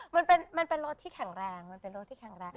มันเป็นรถที่แข็งแรงมันเป็นรถที่แข็งแรง